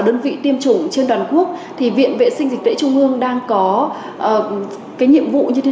đơn vị tiêm chủng trên toàn quốc thì viện vệ sinh dịch tễ trung ương đang có cái nhiệm vụ như thế